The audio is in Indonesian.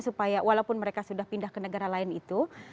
supaya walaupun mereka sudah pindah ke negara lain itu